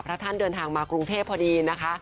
ท่านเดินทางมากรุงเทพพอดีนะคะ